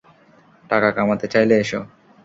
টাকা কামাতে চাইলে এসো।